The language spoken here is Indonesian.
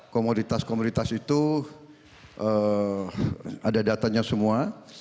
komoditas komoditas itu ada datanya semua